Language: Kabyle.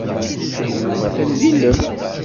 Usu n Yuba atan d ilem.